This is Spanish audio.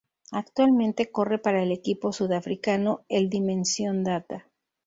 Actualmente corre para el equipo sudafricano el Dimension Data.